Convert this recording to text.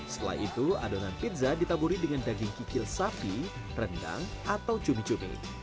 setelah itu adonan pizza ditaburi dengan daging kikil sapi rendang atau cumi cumi